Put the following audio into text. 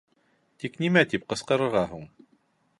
Тик нимә тип ҡысҡырырға һуң?